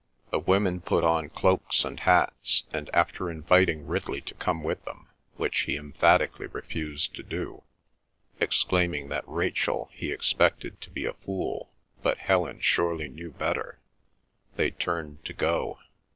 The women put on cloaks and hats, and after inviting Ridley to come with them, which he emphatically refused to do, exclaiming that Rachel he expected to be a fool, but Helen surely knew better, they turned to go.